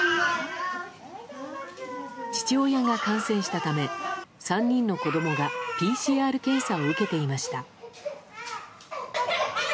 父親が感染したため３人の子供がＰＣＲ検査を受けていました。